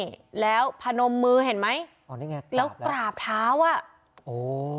ใช่แล้วพนมมือเห็นไหมอ๋อนี่ไงแล้วกราบเท้าอ่ะโอ้